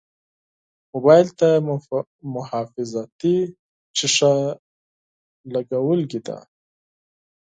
موبایل ته محافظتي شیشه لګولې ده.